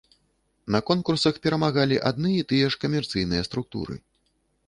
На конкурсах перамагалі адны і тыя ж камерцыйныя структуры.